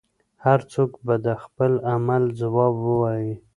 هر څوک به د خپل عمل ځواب وايي.